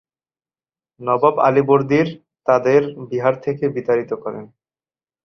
নবাব আলীবর্দীর তাদের বিহার থেকে বিতাড়িত করেন।